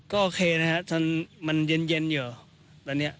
ก็โอเคนะค่ะมันเย็นแบบนี้